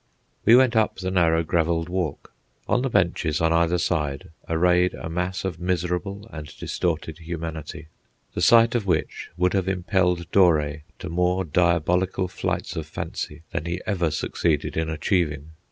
We went up the narrow gravelled walk. On the benches on either side arrayed a mass of miserable and distorted humanity, the sight of which would have impelled Doré to more diabolical flights of fancy than he ever succeeded in achieving.